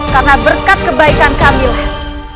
karena berkat kebaikan kamilah